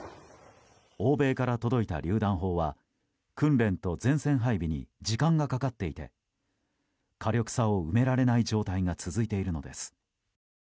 欧米から届いたりゅう弾砲は訓練と前線配備に時間がかかっていて火力差を埋められない状態が続いているのです。